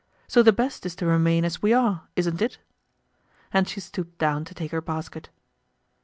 So the best is to remain as we are, isn't it?" And she stooped down to take her basket.